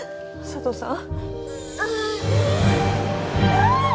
佐都さん。